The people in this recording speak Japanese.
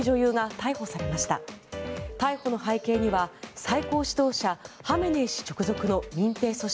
逮捕の背景には最高指導者ハメネイ師直属の民兵組織